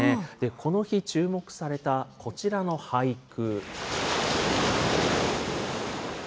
この日、注目された、こちらの俳句。